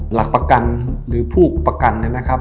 หลักประกันหรือผู้ประกันนะครับ